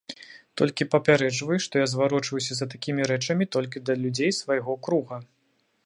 Толькі папярэджваю, што я зварочваюся за такімі рэчамі толькі да людзей свайго круга.